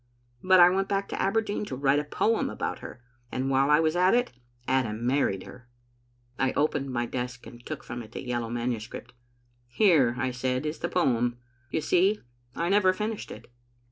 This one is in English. But I went back to Aberdeen to write a poem about her, and while I was at it Adam married her." I opened my desk and took from it a yellow manu script. " Here," I said, " is the poem. You see, I never fin ished it."